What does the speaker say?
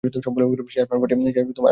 সে আসমান ফাটাইয়া চিৎকার করতেছে।